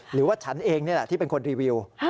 หรือว่าฉันเองนี่แหละที่เป็นคนรีวิว